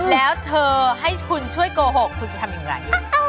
แล้วเธอให้คุณช่วยโกหกคุณจะทำอย่างไร